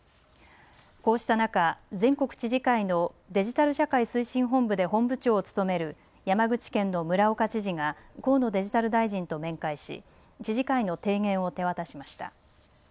こうした中、全国知事会のデジタル社会推進本部で本部長を務める山口県の村岡知事が河野デジタル大臣と面会し知事会の提言を手渡しました。